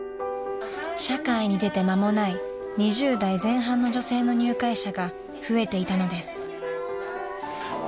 社会に出て間もない２０代前半の女性の入会者が増えていたのです］